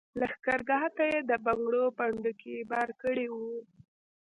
لښګرګاه ته یې د بنګړو پنډوکي بار کړي وو.